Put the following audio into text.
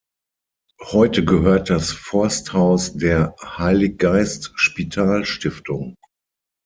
Heute gehört das Forsthaus der Heiliggeistspital-Stiftung.